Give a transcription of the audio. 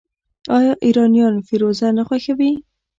آیا ایرانیان فیروزه نه خوښوي؟